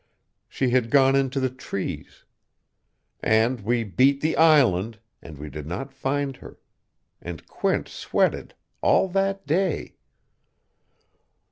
She had gone into the trees. And we beat the island, and we did not find her. And Quint sweated. All that day.